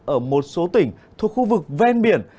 ở một số tỉnh thuộc khu vực ven biển